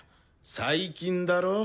「最近」だろ？